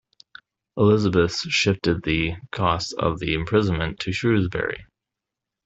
Elizabeth shifted the costs of the imprisonment to Shrewsbury.